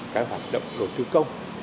cái hoạt động đầu tư công